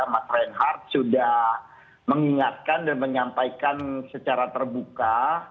mas reinhardt sudah mengingatkan dan menyampaikan secara terbuka